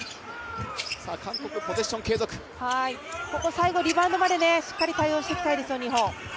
最後、リバウンドまでしっかり対応していきたいですよ、日本。